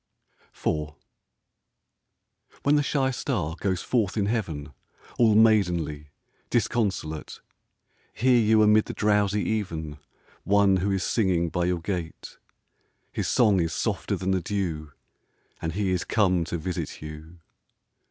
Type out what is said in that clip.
IV When the shy star goes forth in heaven All maidenly, disconsolate, Hear you amid the drowsy even One who is singing by your gate. His song is softer than the dew And he is come to visit you.